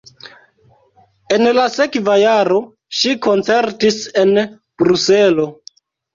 En la sekva jaro ŝi koncertis en Bruselo.